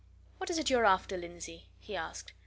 "What is it you are after, Lindsey?" he asked.